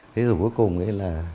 thế rồi cuối cùng ấy là